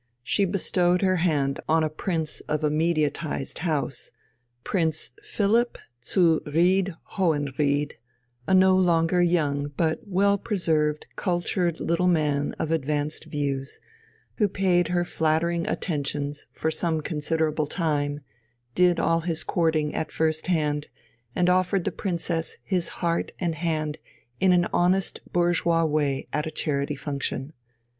She bestowed her hand on a prince of a mediatised house, Prince Philipp zu Ried Hohenried, a no longer young, but well preserved, cultured little man of advanced views, who paid her flattering attentions for some considerable time, did all his courting at first hand, and offered the Princess his heart and hand in an honest bourgeois way at a charity function.